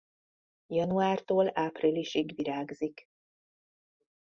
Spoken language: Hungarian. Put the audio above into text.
Januártól áprilisig virágzik.